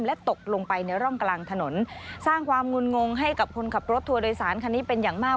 และตกลงไปในร่องกลางถนนสร้างความงุ่นงงให้กับคนขับรถทัวร์โดยสารคันนี้เป็นอย่างมาก